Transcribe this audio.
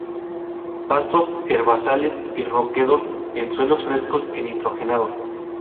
Pastos, herbazales y roquedos, en suelos frescos y nitrogenados.